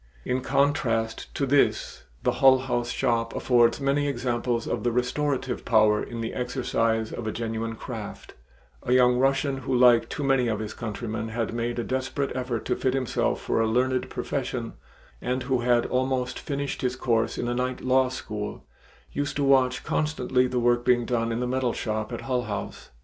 In contrast to this the Hull House shop affords many examples of the restorative power in the exercise of a genuine craft; a young Russian who, like too many of his countrymen, had made a desperate effort to fit himself for a learned profession, and who had almost finished his course in a night law school, used to watch constantly the work being done in the metal shop at Hull House.